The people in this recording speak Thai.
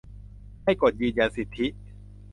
ให้กดยืนยันสิทธิ